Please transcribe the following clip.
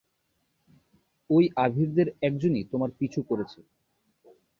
ওই আভীরদের একজনই তোমার পিছু করছে।